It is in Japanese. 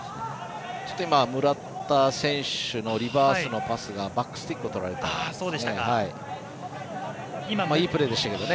村田選手のリバースのパスがバックスティックの構えでしたね。